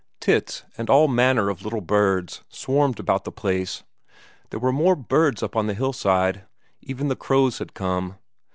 Tits and all manner of little birds swarmed about the place; there were more birds up on the hillside; even the crows had come.